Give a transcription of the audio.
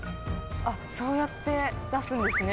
そうやって出すんですね。